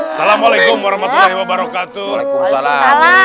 assalamualaikum warahmatullah wabarakatuh